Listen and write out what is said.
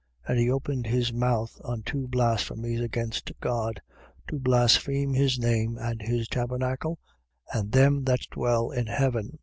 13:6. And he opened his mouth unto blasphemies against God, to blaspheme his name and his tabernacle and them that dwell in heaven.